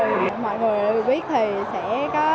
mọi người biết thì sẽ có ít cái vụ loại nạn và cháy